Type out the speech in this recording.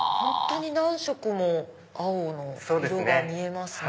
何色も青の色が見えますね。